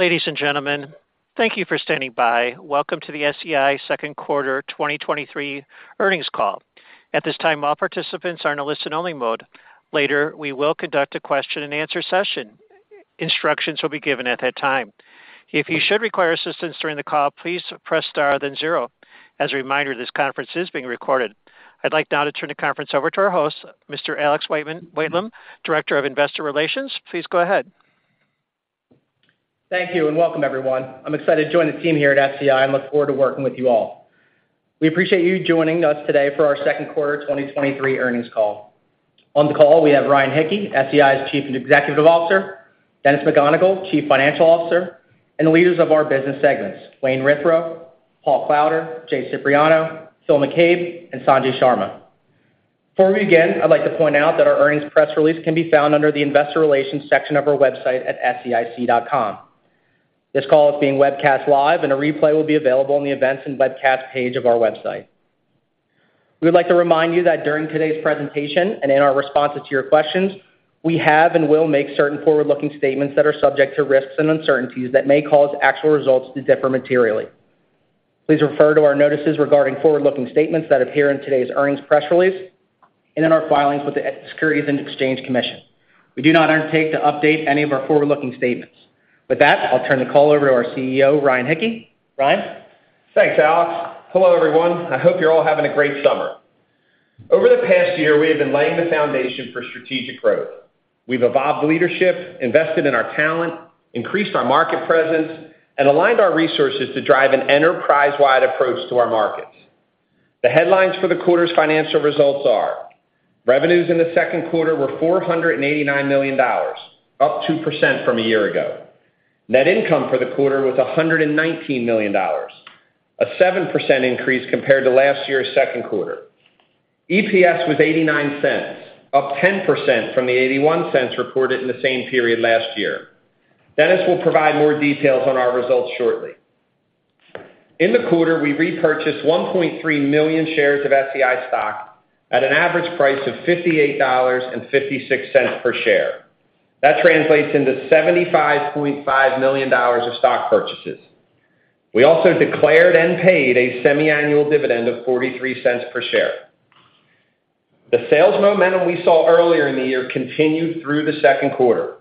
Ladies and gentlemen, thank you for standing by. Welcome to the SEI Second Quarter 2023 Earnings Call. At this time, all participants are in a listen-only mode. Later, we will conduct a question-and-answer session. Instructions will be given at that time. If you should require assistance during the call, please press star, then zero. As a reminder, this conference is being recorded. I'd like now to turn the conference over to our host, Mr. Alex Whitelam, Director of Investor Relations. Please go ahead. Thank you, and welcome, everyone. I'm excited to join the team here at SEI, and look forward to working with you all. We appreciate you joining us today for our Second Quarter 2023 Earnings Call. On the call, we have Ryan Hicke, SEI's Chief Executive Officer, Dennis McGonigle, Chief Financial Officer, and the leaders of our business segments, Wayne Withrow, Paul Klauder, Jay Cipriano, Phil McCabe, and Sanjay Sharma. Before we begin, I'd like to point out that our earnings press release can be found under the Investor Relations section of our website at seic.com. This call is being webcast live, and a replay will be available on the Events and Webcast page of our website. We would like to remind you that during today's presentation and in our responses to your questions, we have and will make certain forward-looking statements that are subject to risks and uncertainties that may cause actual results to differ materially. Please refer to our notices regarding forward-looking statements that appear in today's earnings press release and in our filings with the Securities and Exchange Commission. We do not undertake to update any of our forward-looking statements. With that, I'll turn the call over to our CEO, Ryan Hicke. Ryan? Thanks, Alex. Hello, everyone. I hope you're all having a great summer. Over the past year, we have been laying the foundation for strategic growth. We've evolved leadership, invested in our talent, increased our market presence, and aligned our resources to drive an enterprise-wide approach to our markets. The headlines for the quarter's financial results are: Revenues in the second quarter were $489 million, up 2% from a year ago. Net income for the quarter was $119 million, a 7% increase compared to last year's second quarter. EPS was $0.89, up 10% from the $0.81 reported in the same period last year. Dennis will provide more details on our results shortly. In the quarter, we repurchased 1.3 million shares of SEI stock at an average price of $58.56 per share. That translates into $75.5 million of stock purchases. We also declared and paid a semiannual dividend of $0.43 per share. The sales momentum we saw earlier in the year continued through the second quarter.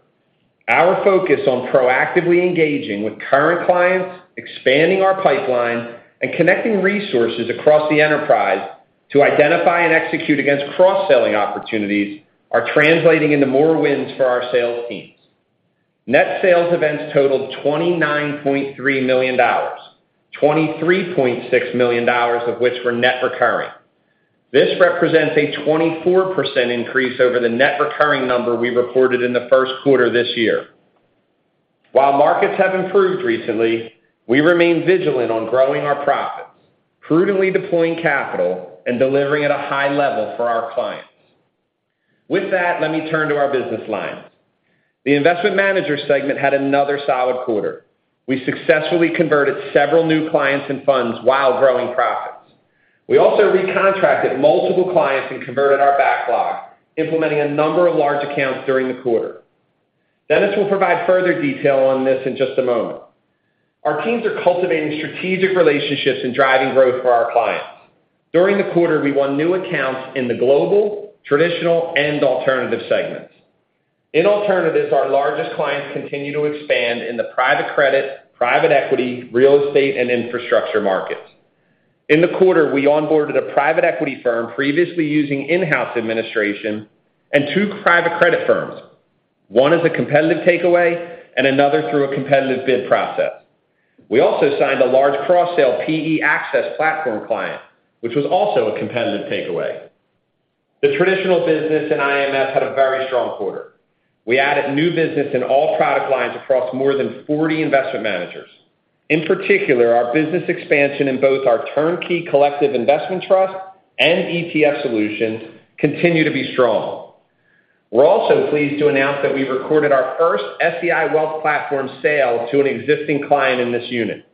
Our focus on proactively engaging with current clients, expanding our pipeline, and connecting resources across the enterprise to identify and execute against cross-selling opportunities are translating into more wins for our sales teams. Net sales events totaled $29.3 million, $23.6 million of which were net recurring. This represents a 24% increase over the net recurring number we reported in the first quarter this year. While markets have improved recently, we remain vigilant on growing our profits, prudently deploying capital, and delivering at a high level for our clients. With that, let me turn to our business lines. The Investment Manager segment had another solid quarter. We successfully converted several new clients and funds while growing profits. We also recontracted multiple clients and converted our backlog, implementing a number of large accounts during the quarter. Dennis will provide further detail on this in just a moment. Our teams are cultivating strategic relationships and driving growth for our clients. During the quarter, we won new accounts in the global, traditional, and alternative segments. In alternatives, our largest clients continue to expand in the private credit, private equity, real estate, and infrastructure markets. In the quarter, we onboarded a private equity firm previously using in-house administration and two private credit firms, one as a competitive takeaway and another through a competitive bid process. We also signed a large cross-sale PE Access platform client, which was also a competitive takeaway. The traditional business in IMS had a very strong quarter. We added new business in all product lines across more than 40 investment Managers. In particular, our business expansion in both our turnkey collective investment trust and ETF solutions continue to be strong. We're also pleased to announce that we recorded our first SEI Wealth Platform sale to an existing client in this unit.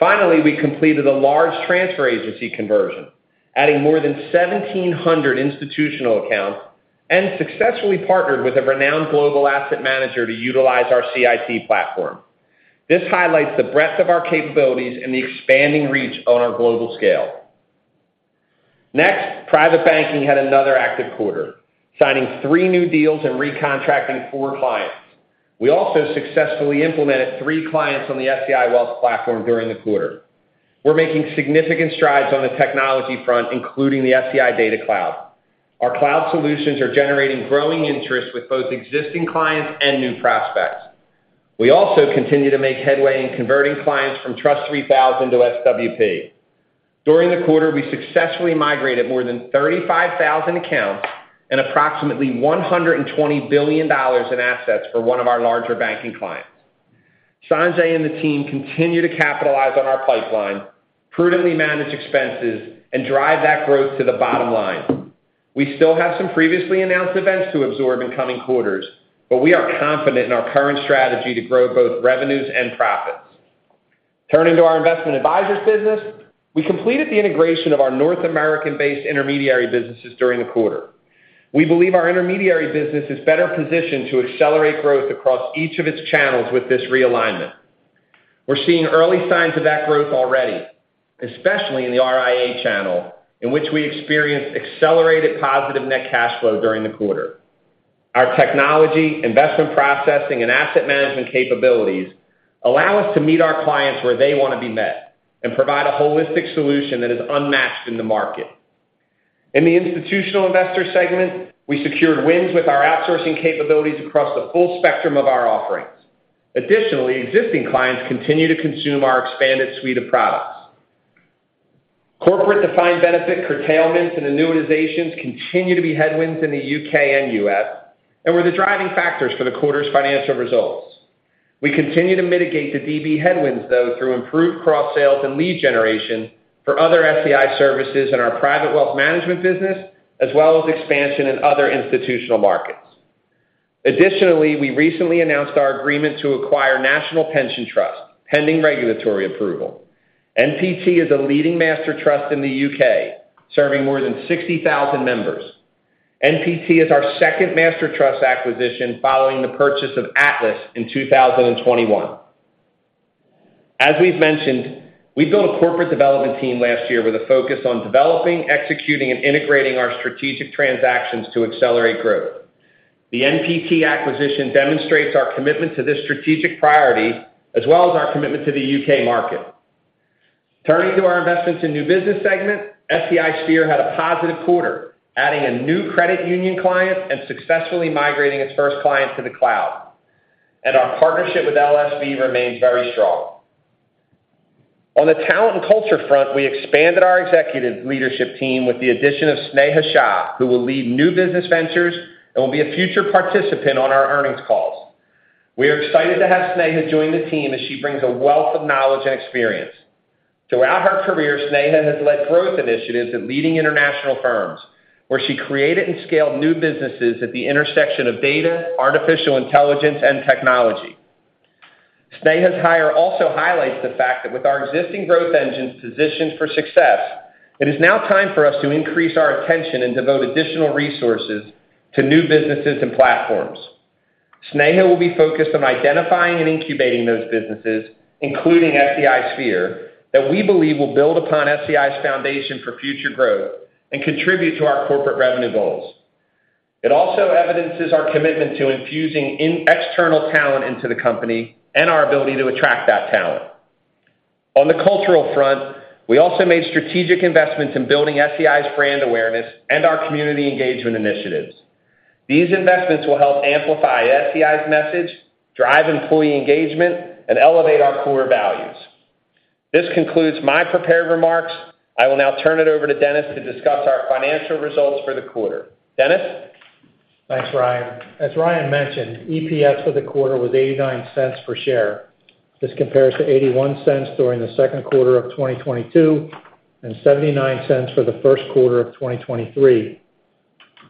We completed a large transfer agency conversion, adding more than 1,700 institutional accounts, and successfully partnered with a renowned global asset manager to utilize our CIT platform. This highlights the breadth of our capabilities and the expanding reach on our global scale. Private banking had another active quarter, signing three new deals and recontracting four clients. We also successfully implemented three clients on the SEI Wealth Platform during the quarter. We're making significant strides on the technology front, including the SEI Data Cloud. Our cloud solutions are generating growing interest with both existing clients and new prospects. We also continue to make headway in converting clients from TRUST 3000 to SWP. During the quarter, we successfully migrated more than 35,000 accounts and approximately $120 billion in assets for one of our larger banking clients. Sanjay and the team continue to capitalize on our pipeline, prudently manage expenses, and drive that growth to the bottom line. We still have some previously announced events to absorb in coming quarters. We are confident in our current strategy to grow both revenues and profits. Turning to our investment advisors business, we completed the integration of our North American-based intermediary businesses during the quarter. We believe our intermediary business is better positioned to accelerate growth across each of its channels with this realignment. We're seeing early signs of that growth already, especially in the RIA channel, in which we experienced accelerated positive net cash flow during the quarter. Our technology, investment processing, and asset management capabilities allow us to meet our clients where they want to be met and provide a holistic solution that is unmatched in the market. In the institutional investor segment, we secured wins with our outsourcing capabilities across the full spectrum of our offerings. Additionally, existing clients continue to consume our expanded suite of products. Corporate defined benefit curtailments and annuitizations continue to be headwinds in the U.K. and U.S. and were the driving factors for the quarter's financial results. We continue to mitigate the DB headwinds, though, through improved cross-sales and lead generation for other SEI services in our private wealth management business, as well as expansion in other institutional markets. Additionally, we recently announced our agreement to acquire National Pensions Trust, pending regulatory approval. NPT is a leading master trust in the U.K., serving more than 60,000 members. NPT is our second master trust acquisition, following the purchase of Atlas in 2021. As we've mentioned, we built a corporate development team last year with a focus on developing, executing, and integrating our strategic transactions to accelerate growth. The NPT acquisition demonstrates our commitment to this strategic priority, as well as our commitment to the U.K. market. Turning to our investments in new business segment, SEI Sphere had a positive quarter, adding a new credit union client and successfully migrating its first client to the cloud. Our partnership with LSV remains very strong. On the talent and culture front, we expanded our executive leadership team with the addition of Sneha Shah, who will lead new business ventures and will be a future participant on our earnings calls. We are excited to have Sneha join the team, as she brings a wealth of knowledge and experience. Throughout her career, Sneha has led growth initiatives at leading international firms, where she created and scaled new businesses at the intersection of data, artificial intelligence, and technology. Sneha's hire also highlights the fact that with our existing growth engines positioned for success, it is now time for us to increase our attention and devote additional resources to new businesses and platforms. Sneha will be focused on identifying and incubating those businesses, including SEI Sphere, that we believe will build upon SEI's foundation for future growth and contribute to our corporate revenue goals. It also evidences our commitment to infusing external talent into the company and our ability to attract that talent. On the cultural front, we also made strategic investments in building SEI's brand awareness and our community engagement initiatives. These investments will help amplify SEI's message, drive employee engagement, and elevate our core values. This concludes my prepared remarks. I will now turn it over to Dennis to discuss our financial results for the quarter. Dennis? Thanks, Ryan. As Ryan mentioned, EPS for the quarter was $0.89 per share. This compares to $0.81 during the second quarter of 2022, and $0.79 for the first quarter of 2023.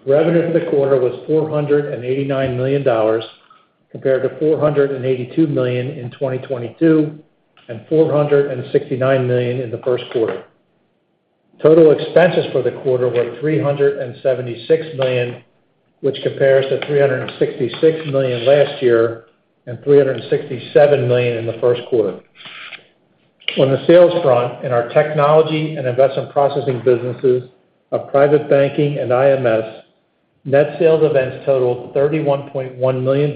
Revenue for the quarter was $489 million, compared to $482 million in 2022, and $469 million in the first quarter. Total expenses for the quarter were $376 million, which compares to $366 million last year, and $367 million in the first quarter. On the sales front, in our technology and investment processing businesses of private banking and IMS, net sales events totaled $31.1 million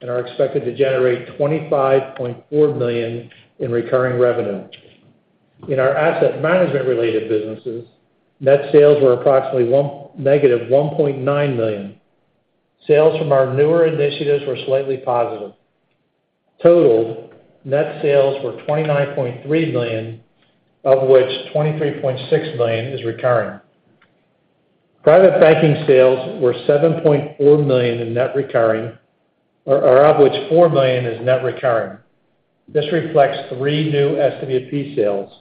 and are expected to generate $25.4 million in recurring revenue. In our asset management-related businesses, net sales were approximately -$1.9 million. Sales from our newer initiatives were slightly positive. Total net sales were $29.3 million, of which $23.6 million is recurring. Private banking sales were $7.4 million in net recurring, out of which $4 million is net recurring. This reflects three new SWP sales.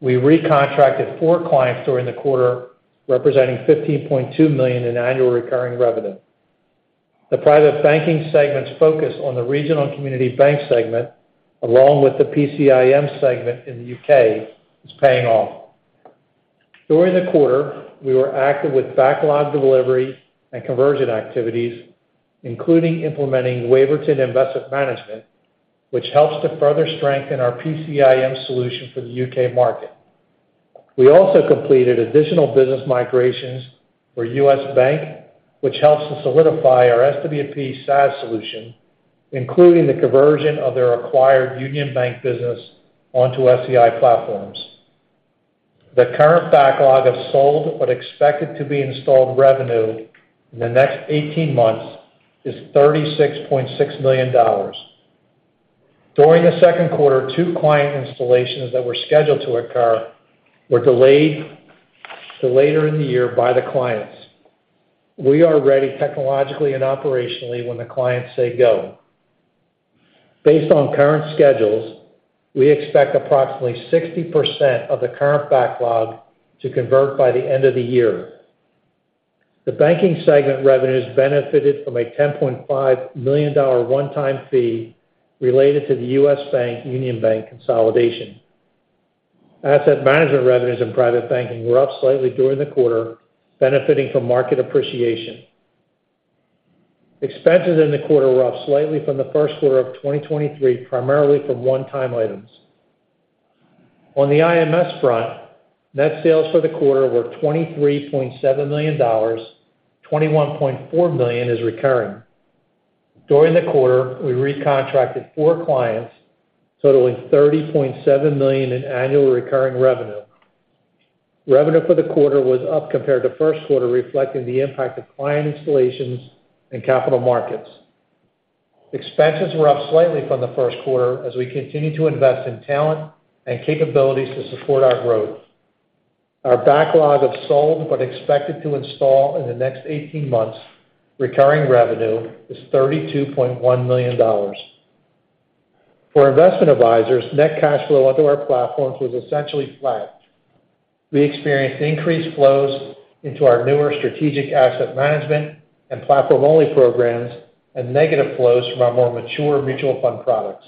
We recontracted four clients during the quarter, representing $15.2 million in annual recurring revenue. The private banking segment's focus on the regional community bank segment, along with the PCIM segment in the U.K., is paying off. During the quarter, we were active with backlog delivery and conversion activities, including implementing Waverton Investment Management, which helps to further strengthen our PCIM solution for the U.K. market. We also completed additional business migrations for U.S. Bank, which helps to solidify our SWP SaaS solution, including the conversion of their acquired Union Bank business onto SEI platforms. The current backlog of sold but expected to be installed revenue in the next 18 months is $36.6 million. During the second quarter, two client installations that were scheduled to occur were delayed to later in the year by the clients. We are ready technologically and operationally when the clients say go. Based on current schedules, we expect approximately 60% of the current backlog to convert by the end of the year. The banking segment revenues benefited from a $10.5 million one-time fee related to the U.S. Bank, Union Bank consolidation. Asset management revenues and private banking were up slightly during the quarter, benefiting from market appreciation. Expenses in the quarter were up slightly from the first quarter of 2023, primarily from one-time items. On the IMS front, net sales for the quarter were $23.7 million. $21.4 million is recurring. During the quarter, we recontracted four clients, totaling $30.7 million in annual recurring revenue. Revenue for the quarter was up compared to first quarter, reflecting the impact of client installations and capital markets. Expenses were up slightly from the first quarter as we continued to invest in talent and capabilities to support our growth. Our backlog of sold, but expected to install in the next 18 months, recurring revenue, is $32.1 million. For investment advisors, net cash flow onto our platforms was essentially flat. We experienced increased flows into our newer strategic asset management and platform-only programs, and negative flows from our more mature mutual fund products.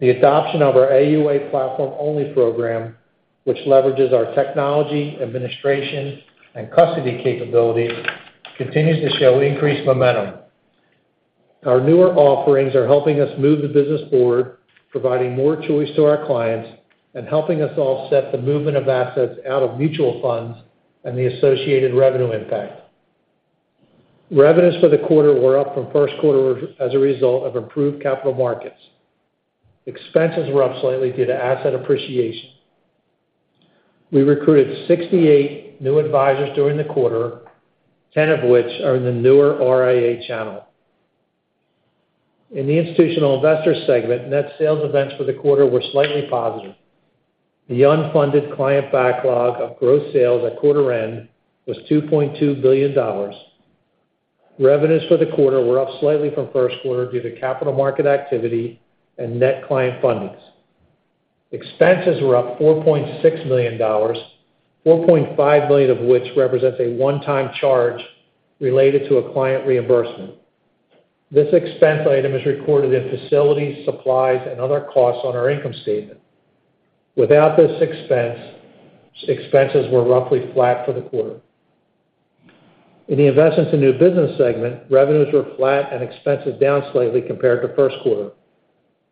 The adoption of our AUA platform-only program, which leverages our technology, administration, and custody capabilities, continues to show increased momentum. Our newer offerings are helping us move the business forward, providing more choice to our clients and helping us offset the movement of assets out of mutual funds and the associated revenue impact. Revenues for the quarter were up from first quarter as a result of improved capital markets. Expenses were up slightly due to asset appreciation. We recruited 68 new advisors during the quarter, 10 of which are in the newer RIA channel. In the institutional investor segment, net sales events for the quarter were slightly positive. The unfunded client backlog of gross sales at quarter end was $2.2 billion. Revenues for the quarter were up slightly from first quarter due to capital market activity and net client fundings. Expenses were up $4.6 million, $4.5 million of which represents a one-time charge related to a client reimbursement. This expense item is recorded in facilities, supplies, and other costs on our income statement. Without this expense, expenses were roughly flat for the quarter. In the investments and new business segment, revenues were flat and expenses down slightly compared to first quarter.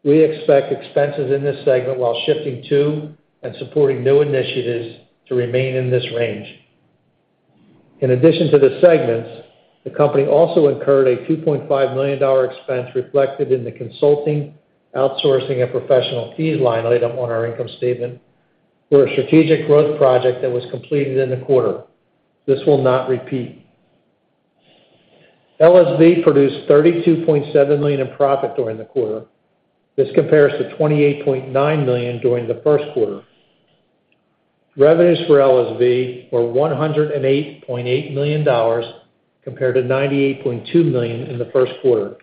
We expect expenses in this segment while shifting to and supporting new initiatives to remain in this range. In addition to the segments, the company also incurred a $2.5 million expense reflected in the consulting, outsourcing, and professional fees line item on our income statement for a strategic growth project that was completed in the quarter. This will not repeat. LSV produced $32.7 million in profit during the quarter. This compares to $28.9 million during the first quarter. Revenues for LSV were $108.8 million, compared to $98.2 million in the first quarter.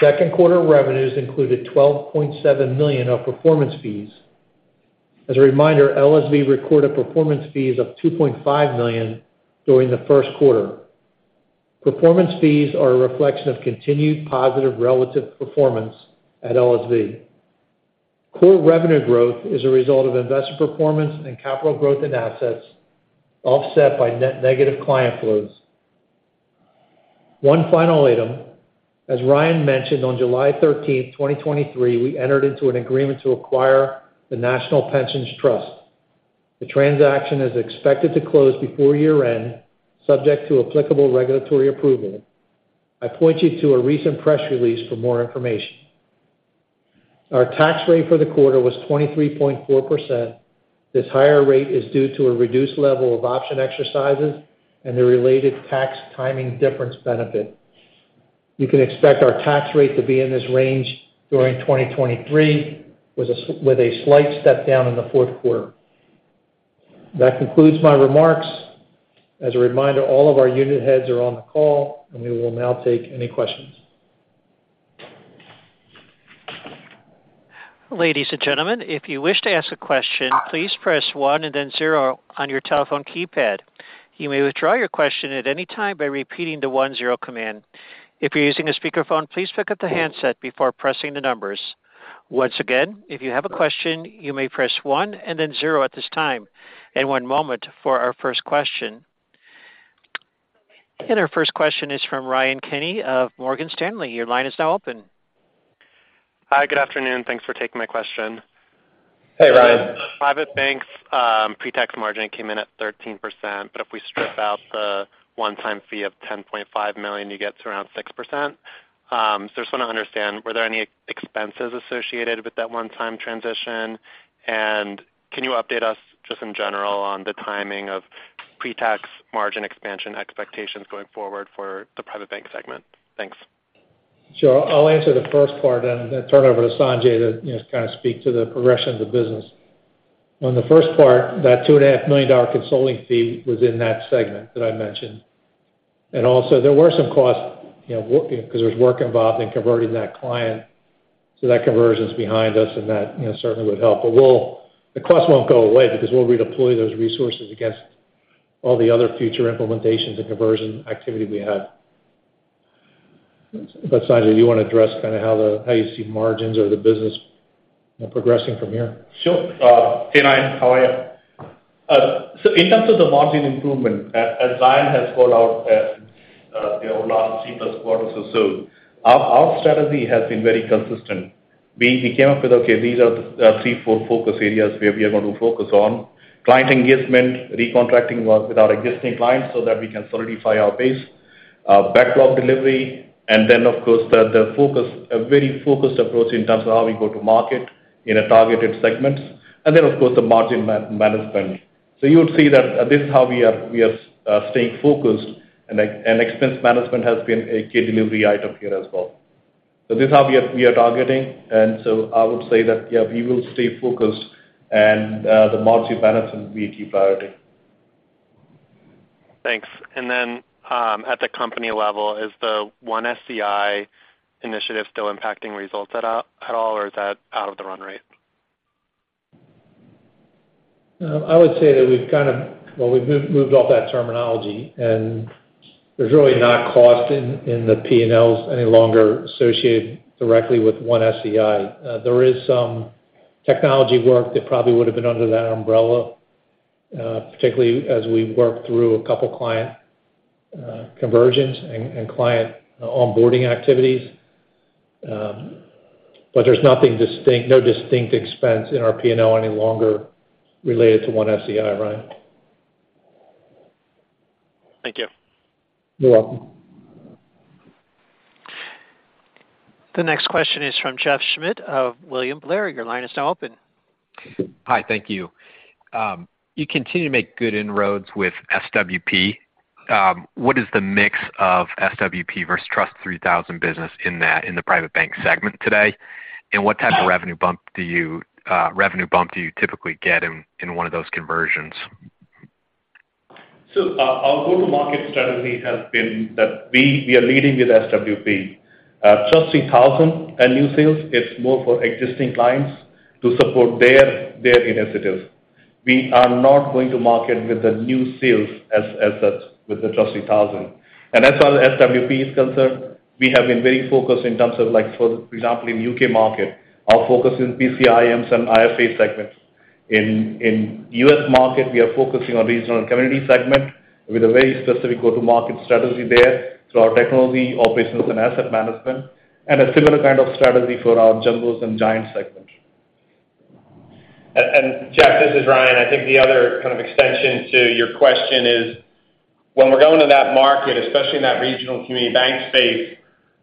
Second quarter revenues included $12.7 million of performance fees. As a reminder, LSV recorded performance fees of $2.5 million during the first quarter. Performance fees are a reflection of continued positive relative performance at LSV. Core revenue growth is a result of investment performance and capital growth in assets, offset by net negative client flows. One final item. As Ryan mentioned, on July 13, 2023, we entered into an agreement to acquire the National Pensions Trust. The transaction is expected to close before year-end, subject to applicable regulatory approval. I point you to a recent press release for more information. Our tax rate for the quarter was 23.4%. This higher rate is due to a reduced level of option exercises and the related tax timing difference benefit. You can expect our tax rate to be in this range during 2023, with a slight step down in the fourth quarter. That concludes my remarks. As a reminder, all of our unit heads are on the call, and we will now take any questions. Ladies and gentlemen, if you wish to ask a question, please press one and then zero on your telephone keypad. You may withdraw your question at any time by repeating the one zero command. If you're using a speakerphone, please pick up the handset before pressing the numbers. Once again, if you have a question, you may press one and then zero at this time. One moment for our first question. Our first question is from Ryan Kenny of Morgan Stanley. Your line is now open. Hi, good afternoon. Thanks for taking my question. Hey, Ryan. Private banks, pretax margin came in at 13%. If we strip out the one-time fee of $10.5 million, you get to around 6%. I just want to understand, were there any expenses associated with that one-time transition? Can you update us just in general on the timing of pretax margin expansion expectations going forward for the private bank segment? Thanks. Sure. I'll answer the first part and then turn it over to Sanjay to, you know, kind of speak to the progression of the business. On the first part, that $2.5 million consulting fee was in that segment that I mentioned. Also there were some costs because there's work involved in converting that client. That conversion is behind us, and that certainly would help. The cost won't go away because we'll redeploy those resources against all the other future implementations and conversion activity we have. Sanjay, do you want to address kind of how you see margins or the business, you know, progressing from here? Sure. Hey, Ryan, how are you? In terms of the margin improvement, as Ryan has called out, you know, over the last three plus quarters or so, our strategy has been very consistent. We came up with, okay, these are the three full focus areas where we are going to focus on: client engagement, recontracting work with our existing clients so that we can solidify our base, backlog delivery, and then, of course, the focus, a very focused approach in terms of how we go to market in targeted segments, and then, of course, the margin management. You would see that this is how we are staying focused, and expense management has been a key delivery item here as well. This is how we are targeting, I would say that, yeah, we will stay focused and the margin management will be a key priority. Thanks. At the company level, is the One SEI initiative still impacting results at all, or is that out of the run rate? I would say that we've, well, we've moved off that terminology. There's really not cost in the PNLs any longer associated directly with One SEI. There is some technology work that probably would have been under that umbrella, particularly as we work through a couple client convergence and client onboarding activities. There's nothing distinct, no distinct expense in our PNL any longer related to One SEI, Ryan. Thank you. You're welcome. The next question is from Jeff Schmitt of William Blair. Your line is now open. Hi, thank you. You continue to make good inroads with SWP. What is the mix of SWP versus TRUST 3000 business in that, in the private bank segment today? What type of revenue bump do you typically get in one of those conversions? Our go-to-market strategy has been that we are leading with SWP. TRUST 3000 and new sales, it's more for existing clients to support their initiatives. We are not going to market with the new sales as such, with the TRUST 3000. As far as SWP is concerned, we have been very focused in terms of, like, for example, in U.K. market, our focus in PCIMs and IFA segments. In U.S. market, we are focusing on regional and community segment with a very specific go-to-market strategy there through our technology, operations, and asset management, and a similar kind of strategy for our jumbos and giant segment. Jeff, this is Ryan. I think the other kind of extension to your question is, when we're going to that market, especially in that regional community bank space,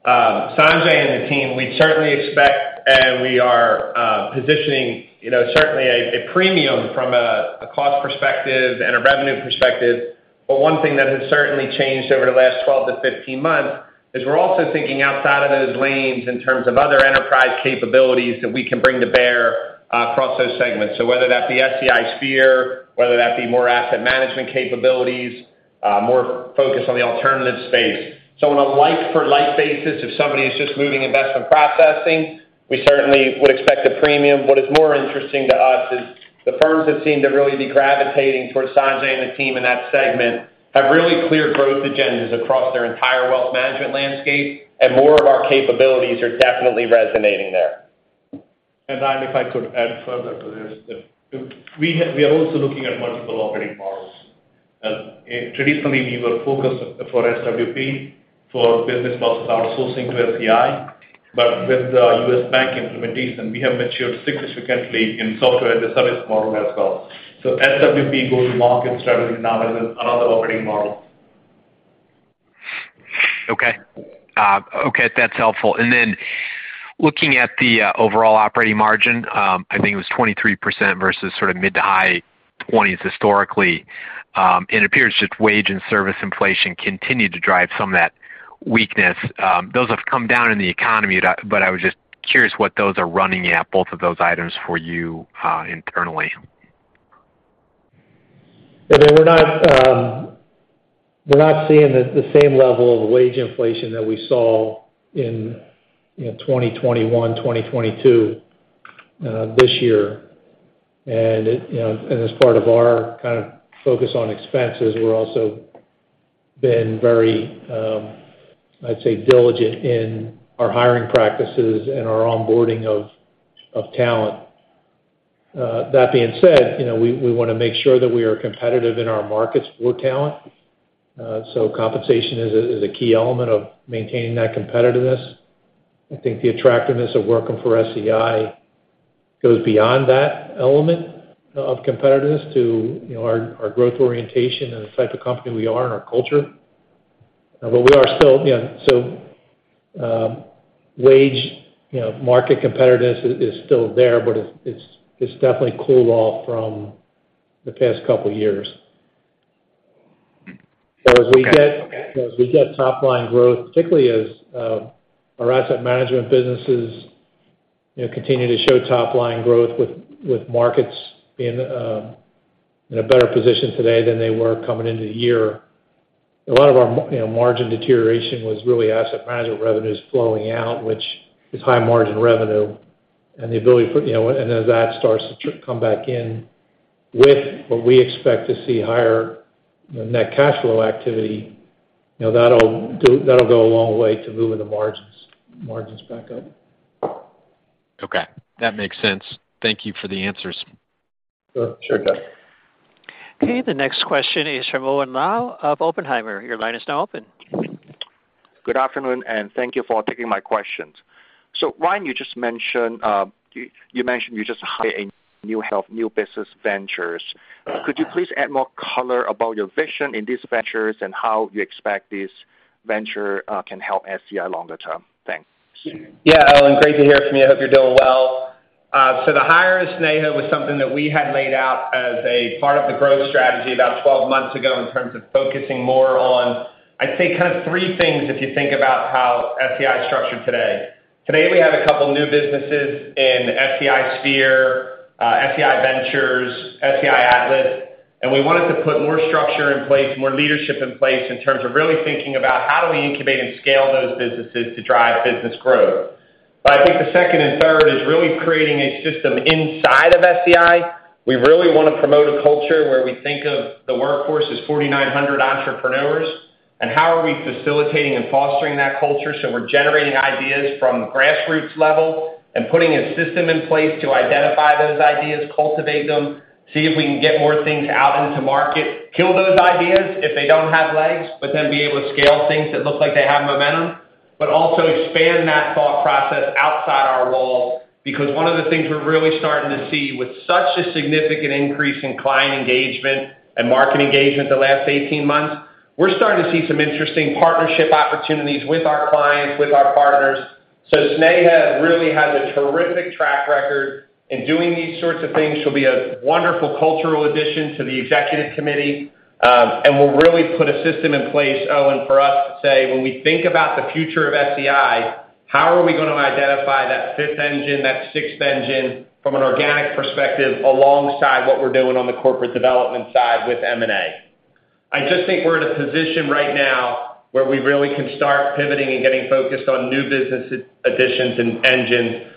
Sanjay and the team, we certainly expect, and we are positioning, you know, certainly a premium from a cost perspective and a revenue perspective. One thing that has certainly changed over the last 12-15 months is we're also thinking outside of those lanes in terms of other enterprise capabilities that we can bring to bear across those segments. Whether that be SEI Sphere, whether that be more asset management capabilities, more focus on the alternative space. On a like-for-like basis, if somebody is just moving investment processing, we certainly would expect a premium. What is more interesting to us is the firms that seem to really be gravitating towards Sanjay and the team in that segment have really clear growth agendas across their entire wealth management landscape. More of our capabilities are definitely resonating there. Ryan, if I could add further to this, that we are also looking at multiple operating models. Traditionally, we were focused for SWP, for business process outsourcing to SEI, with the U.S. Bank implementation, we have matured significantly in software and the service model as well. SWP go-to-market strategy now is another operating model. Okay. Okay, that's helpful. Looking at the overall operating margin, I think it was 23% versus sort of mid-to-high 20s historically. It appears just wage and service inflation continued to drive some of that weakness. Those have come down in the economy, but I was just curious what those are running at, both of those items for you, internally. I mean, we're not seeing the same level of wage inflation that we saw in 2021, 2022, this year. It, you know, and as part of our kind of focus on expenses, we're also been very, I'd say, diligent in our hiring practices and our onboarding of talent. That being said, we wanna make sure that we are competitive in our markets for talent. Compensation is a key element of maintaining that competitiveness. I think the attractiveness of working for SEI goes beyond that element of competitiveness to our growth orientation and the type of company we are and our culture. We are still, you know, so, wage, you know, market competitiveness is still there, but it's definitely cooled off from the past couple of years. Okay. As we get top-line growth, particularly as our asset management businesses continue to show top line growth with markets being in a better position today than they were coming into the year. A lot of our margin deterioration was really asset management revenues flowing out, which is high margin revenue, and the ability for, you know, and as that starts to come back in with what we expect to see higher net cash flow activity that'll go a long way to moving the margins back up. Okay, that makes sense. Thank you for the answers. Sure, sure, Doug. Okay, the next question is from Owen Lau of Oppenheimer. Your line is now open. Good afternoon, and thank you for taking my questions. Ryan, you just mentioned you just hired a new health, new business ventures. Could you please add more color about your vision in these ventures and how you expect this venture can help SEI longer term? Thanks. Yeah, Owen, great to hear from you. I hope you're doing well. The hire of Sneha was something that we had laid out as a part of the growth strategy about 12 months ago, in terms of focusing more on, I'd say, kind of three things if you think about how SEI is structured today. Today, we have a couple new businesses in SEI Sphere, SEI Ventures, SEI Atlas, and we wanted to put more structure in place, more leadership in place, in terms of really thinking about how do we incubate and scale those businesses to drive business growth. I think the second and third is really creating a system inside of SEI. We really want to promote a culture where we think of the workforce as 4,900 entrepreneurs, and how are we facilitating and fostering that culture? We're generating ideas from grassroots level and putting a system in place to identify those ideas, cultivate them, see if we can get more things out into market, kill those ideas if they don't have legs, but then be able to scale things that look like they have momentum. Also expand that thought process outside our walls, because one of the things we're really starting to see with such a significant increase in client engagement and market engagement the last 18 months, we're starting to see some interesting partnership opportunities with our clients, with our partners. Sneha really has a terrific track record in doing these sorts of things. She'll be a wonderful cultural addition to the executive committee, and will really put a system in place, Owen, for us to say, when we think about the future of SEI, how are we going to identify that fifth engine, that sixth engine from an organic perspective, alongside what we're doing on the corporate development side with M&A? I just think we're in a position right now where we really can start pivoting and getting focused on new business additions and engines,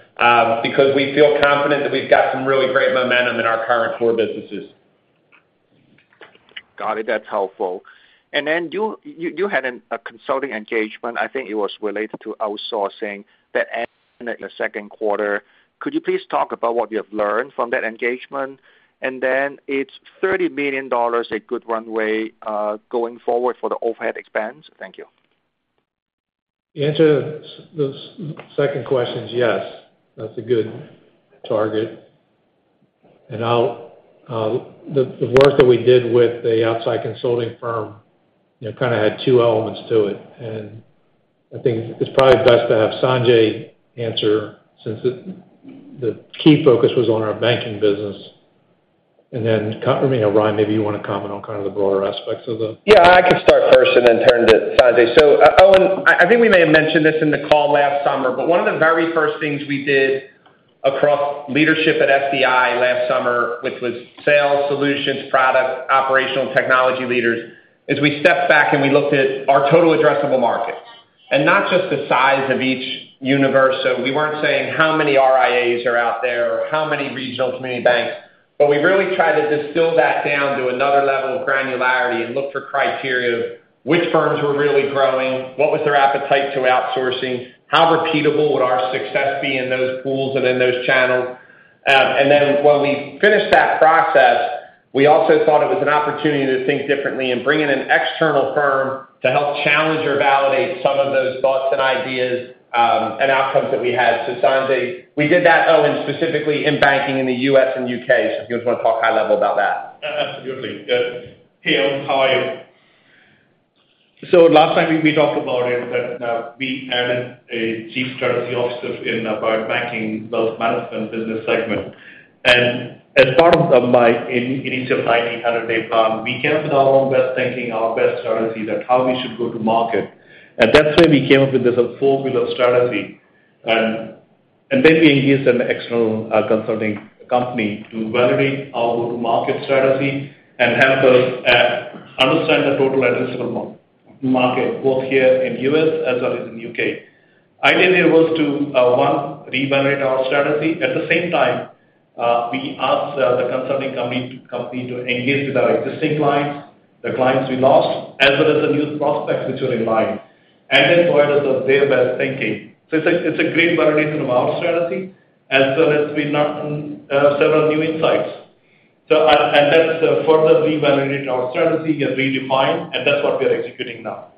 because we feel confident that we've got some really great momentum in our current core businesses. Got it. That's helpful. You had a consulting engagement. I think it was related to outsourcing that ended in the second quarter. Could you please talk about what you have learned from that engagement? It's $30 million a good runway going forward for the overhead expense? Thank you. The answer to the second question is yes, that's a good target. I'll, the work that we did with the outside consulting firm, you know, kind of had two elements to it. I think it's probably best to have Sanjay answer, since the key focus was on our banking business. Then, you know, Ryan, maybe you want to comment on kind of the broader aspects of. I can start first and then turn to Sanjay. Owen, I think we may have mentioned this in the call last summer, one of the very first things we did across leadership at SEI last summer, which was sales, solutions, product, operational, and technology leaders, is we stepped back, and we looked at our total addressable markets, and not just the size of each universe. We weren't saying how many RIAs are out there or how many regional community banks, we really tried to distill that down to another level of granularity and look for criteria of which firms were really growing, what was their appetite to outsourcing, how repeatable would our success be in those pools and in those channels? When we finished that process, we also thought it was an opportunity to think differently and bring in an external firm to help challenge or validate some of those thoughts and ideas, and outcomes that we had. Sanjay, we did that, Owen, specifically in banking in the U.S. and U.K. If you just want to talk high level about that. Absolutely. Hey, Owen, how are you? Last time we talked about it, that we added a chief strategy officer in our banking, wealth management, and business segment. As part of my initial 90-day plan, we came with our own best thinking, our best strategy that how we should go to market. That's why we came up with this four-pillar strategy. Then we engaged an external consulting company to validate our go-to-market strategy and help us understand the total addressable market, both here in U.S. as well as in the U.K. Idea there was to one, reevaluate our strategy. At the same time, we asked the consulting company to engage with our existing clients, the clients we lost, as well as the new prospects which are in line, provide us with their best thinking. It's a great validation of our strategy. It's been several new insights. That's further reevaluated our strategy and redefined. That's what we are executing now.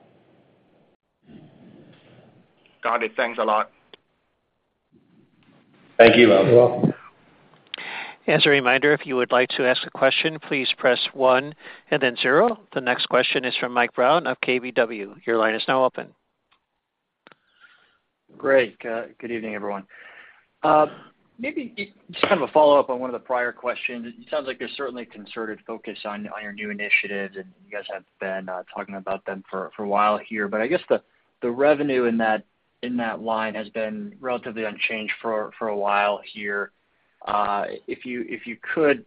Got it. Thanks a lot. Thank you, Owen. You're welcome. As a reminder, if you would like to ask a question, please press one and then zero. The next question is from Mike Brown of KBW. Your line is now open. Great. Good evening, everyone. Maybe just kind of a follow-up on one of the prior questions. It sounds like there's certainly a concerted focus on your new initiatives, and you guys have been talking about them for a while here. I guess the revenue in that line has been relatively unchanged for a while here. If you could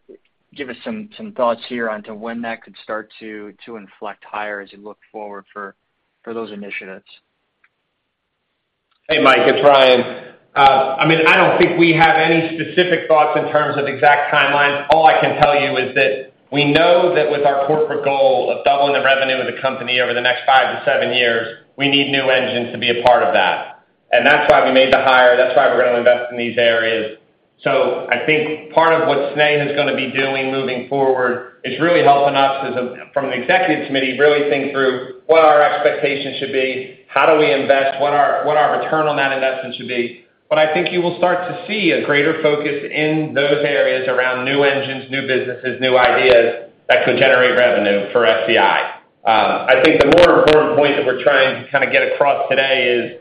give us some thoughts here on to when that could start to inflect higher as you look forward for those initiatives? Hey, Mike, it's Ryan. I mean, I don't think we have any specific thoughts in terms of exact timelines. All I can tell you is that we know that with our corporate goal of doubling the revenue of the company over the next 5-7 years, we need new engines to be a part of that. That's why we made the hire, that's why we're gonna invest in these areas. I think part of what Sneha is gonna be doing moving forward is really helping us to, from an executive committee, really think through what our expectations should be, how do we invest, what our return on that investment should be. I think you will start to see a greater focus in those areas around new engines, new businesses, new ideas that could generate revenue for SEI. I think the more important point that we're trying to kind of get across today is,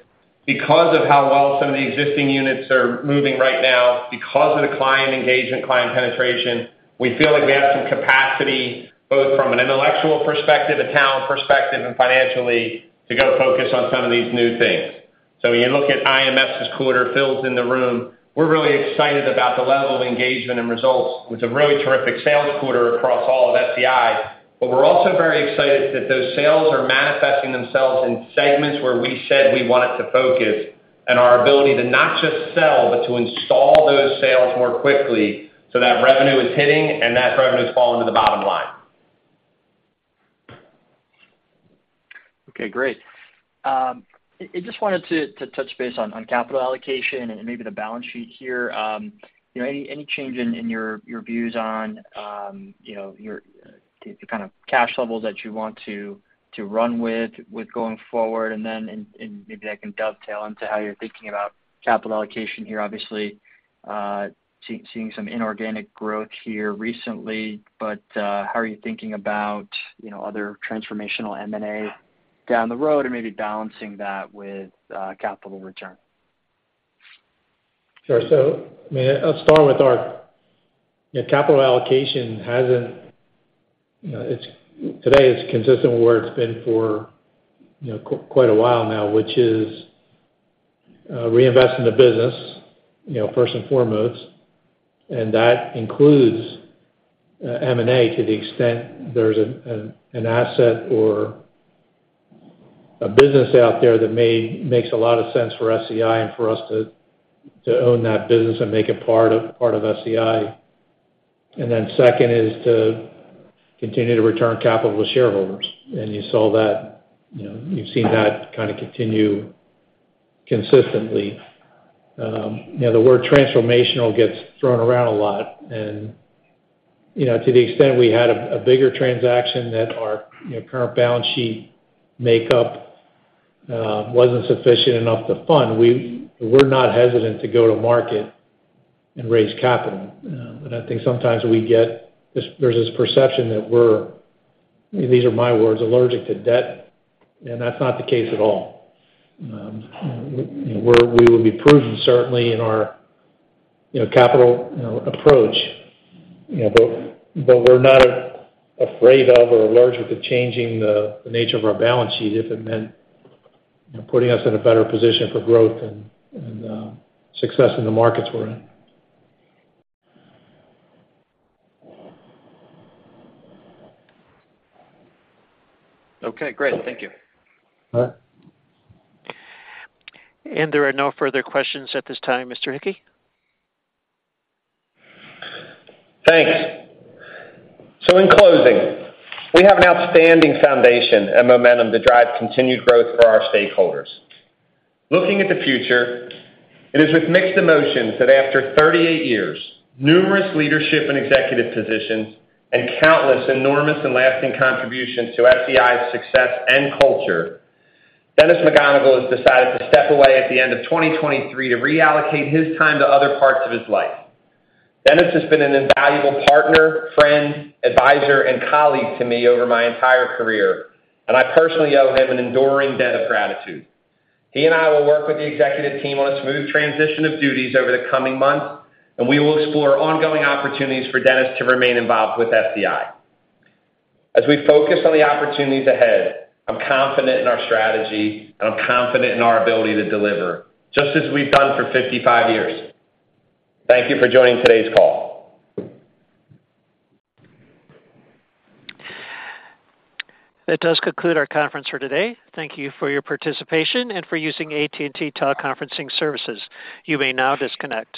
because of how well some of the existing units are moving right now, because of the client engagement, client penetration, we feel like we have some capacity, both from an intellectual perspective, a talent perspective, and financially, to go focus on some of these new things. When you look at IMS this quarter, Phil's in the room, we're really excited about the level of engagement and results. It's a really terrific sales quarter across all of SEI. We're also very excited that those sales are manifesting themselves in segments where we said we wanted to focus, and our ability to not just sell, but to install those sales more quickly, so that revenue is hitting and that revenue is falling to the bottom line. Okay, great. I just wanted to touch base on capital allocation and maybe the balance sheet here. You know, any change in your views on, you know, the kind of cash levels that you want to run with going forward? Maybe I can dovetail into how you're thinking about capital allocation here. Obviously, seeing some inorganic growth here recently, how are you thinking about other transformational M&A down the road and maybe balancing that with capital return? Sure. I mean, I'll start with our... Yeah, capital allocation hasn't, you know, today, it's consistent with where it's been for quite a while now, which is, reinvest in the business, you know, first and foremost, and that includes M&A to the extent there's an asset or a business out there that makes a lot of sense for SEI and for us to own that business and make it part of SEI. Then second is to continue to return capital to shareholders. You saw that, you've seen that kind of continue consistently. The word transformational gets thrown around a lot. To the extent we had a bigger transaction than our current balance sheet makeup, wasn't sufficient enough to fund, we're not hesitant to go to market and raise capital. I think sometimes we get this perception that we're, these are my words, allergic to debt, and that's not the case at all. We're, will be prudent, certainly in our capital approach, you know, but we're not afraid of or allergic to changing the nature of our balance sheet if it meant putting us in a better position for growth and, success in the markets we're in. Okay, great. Thank you. All right. There are no further questions at this time. Mr. Hicke? Thanks. In closing, we have an outstanding foundation and momentum to drive continued growth for our stakeholders. Looking at the future, it is with mixed emotions that after 38 years, numerous leadership and executive positions, and countless enormous and lasting contributions to SEI's success and culture, Dennis McGonigle has decided to step away at the end of 2023 to reallocate his time to other parts of his life. Dennis has been an invaluable partner, friend, advisor, and colleague to me over my entire career, and I personally owe him an enduring debt of gratitude. He and I will work with the executive team on a smooth transition of duties over the coming months, and we will explore ongoing opportunities for Dennis to remain involved with SEI. As we focus on the opportunities ahead, I'm confident in our strategy, and I'm confident in our ability to deliver, just as we've done for 55 years. Thank you for joining today's call. That does conclude our conference for today. Thank you for your participation and for using AT&T Teleconferencing services. You may now disconnect.